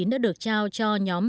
đã được trao cho nhóm